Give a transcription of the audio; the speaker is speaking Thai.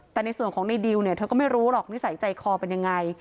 แต่ในส่วนของในดิวเนี่ยเธอก็ไม่รู้หรอกนิสัยใจคอเป็นยังไง